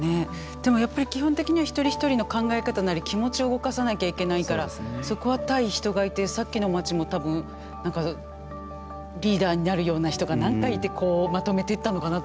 でもやっぱり基本的には一人一人の考え方なり気持ちを動かさなきゃいけないからそこは対人がいてさっきの街も多分何かリーダーになるような人が何か言ってこうまとめてったのかなとは思いますよね。